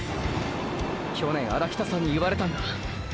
去年荒北さんに言われたんだ。